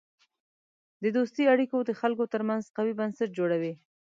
د دوستی اړیکې د خلکو ترمنځ قوی بنسټ جوړوي.